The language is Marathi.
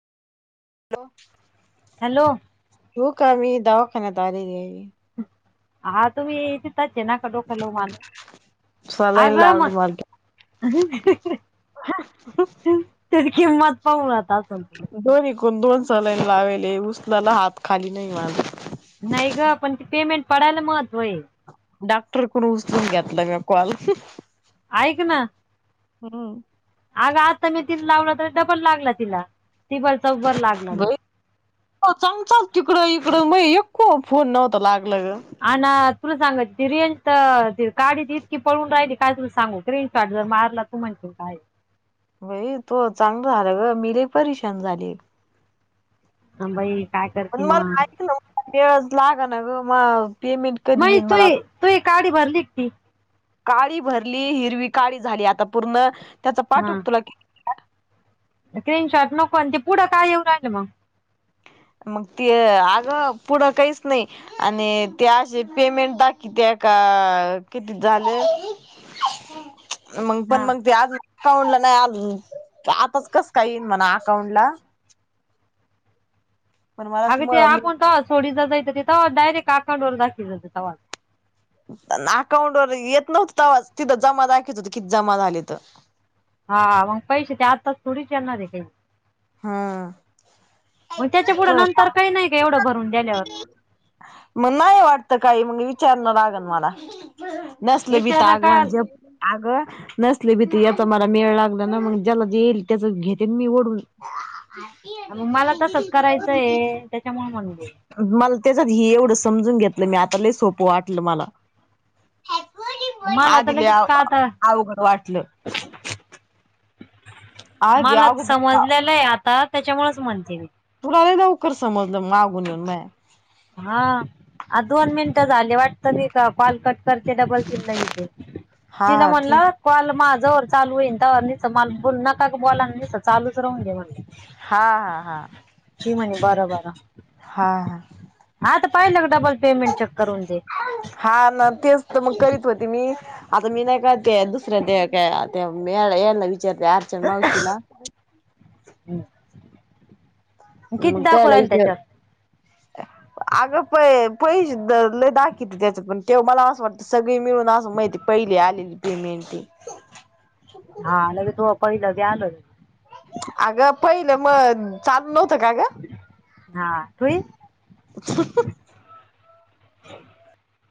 हॅलो. हॅलो. हो का, मी दवाखान्यात आलेली आहे. हा तुम्ही तीतच ये ना, कडोखलो मान, सलाईन आगळ म लावली मला त्याची किंमत पाहू आता आपण. दोनी कून दोन सलाईन लावेले, उचलाला हात खाली नाही माझा. नाही ग, पण ते पेमेंट पडायला महत्त्व ये. डॉक्टर कडुन उचलून घेतला म्या कॉल. ऐक ना. हम्म. अग आता मी तिला लावलं तरी डबल लागला तिला, टिबल-चौबल लागला मंग. हो चांग चाल तिकडं-इकडं, मयी एक पण फोन नव्हता लागला ग. अन तुला सांगती रेंज तर ती काडी इतकी पळून राहिली, काय तुला सांगू स्क्रीन स्टार्ट जर मारला तर तु म्हणशील काय हे. बई तुअ चांगल झाला ग, मी लय परेशान झाली इक हम्म बाई काय पण करते मग मला ऐक ना, [inaudible] लाग ना ग मग पेमेंट? कधी म्हजी येईन मला तूई, आता. तूई काडी भरली का ती. काळी भरली, हिरवी काळी झाली आता पूर्ण, त्याचा पाठवु हा का तुला स्क्रीनशॉट नको, अन ते पुढं काय येऊ राहिल मंग? मग ते अगं पुढं काहीच नाही. आणि ते असे पेमेंट दाखीवत्या का, किती झाल? [unintelligible] मंग पण हा मंग ते आज अकाउंटला नाही आलं, आताच कस का येईल म्हणा अकाउंटला पण मलाच अग ते म मी आपण कवा सोडित जाय ते तवा डायरेक्ट अकाउंटवर दाखवीत जा तवा. अन अकाउंटवर येत नव्हत तवाच तिथ जमा दाखवीत होत, किती जमा झालेत. हा मंग पैसे ते आत्ताच थोडीच येणारे ते हम्म मग त्याच्या पुुढे नंतर काही नाही का, एवढं भरून दिल्यावर. मग नाही वाटत काही, मंग विचारणं लागन मला, नसल बी त विचार का अगवान जप अगं नसले बी ती येत मला मेळ लागला ना, मंग ज्याला जे येईल त्याच घेते मी ओढून. [unintelligible] हा मग मला तसच करायचंय, त्याच्यामुळे म्हण मला त्याच्यात ही एवढं समजून घेतलं मी आता, लय सोपं वाटल मला. मला तर आधी लय लगेच आव का आता आवघड वाट [inaudible] मला समजलेलं आहे आता त्याच्यामुळेच म्हणते मी. तुला लई लवकर समजलं मग मागून येऊन मया. हा आ दोन मिनिटं झाले वाटत नाही का, कॉल कट [inaudible] घे हा चिन्ह हा ठीक म्हणलं कॉल माझ्या वर चालू होईन त्यावर न मला बोल नका का बोला आणि नुसता चालूच राहून दे म्हण हा हा हा [inaudible] म्हणे बारा बारा. हा हा तर का डबल पेमेंट चेक करून दे. हा न तेच तर मग करीत होती मी आता मी नाही का ते दुसऱ्या ते काय याना विचारते अर्चना मावशीला. हम्म किती मग त्याला दाखवलाल विचार त्याच्यात? अगं प पैसे दाखवित त्याच्यात पण तेव्हा मला असं वाटतं सगळी मिळून असं माहिती पहिले आलेली पेमेंटची. [inaudible] हिला बी आलं. अगं पहिलं मग चालू नव्हतं का ग हा [inaudible] [unintelligible]